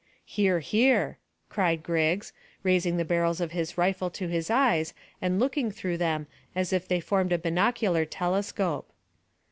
"Hear, hear!" cried Griggs, raising the barrels of his rifle to his eyes and looking through them as if they formed a binocular telescope.